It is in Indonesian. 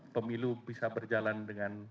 pemilu bisa berjalan dengan